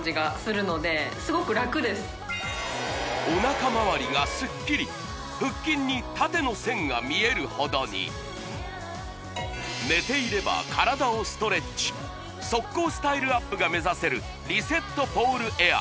おなかまわりがスッキリ腹筋に縦の線が見えるほどに寝ていれば体をストレッチ即効スタイルアップが目指せるリセットポールエアー